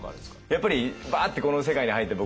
やっぱりバーッてこの世界に入って僕